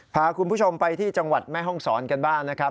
พาคุณผู้ชมไปที่จังหวัดแม่ห้องศรกันบ้างนะครับ